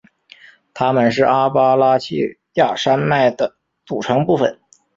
它们是阿巴拉契亚山脉的组成部分。